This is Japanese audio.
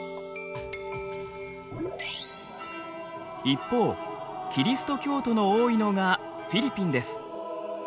一方キリスト教徒の多いのがフィリピンです。